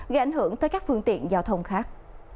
gây ảnh hưởng tới các phương tiện giao thông khác